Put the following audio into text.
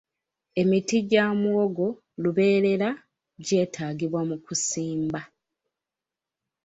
Emiti gya muwogo lubeerera gyetaagibwa mu kusimba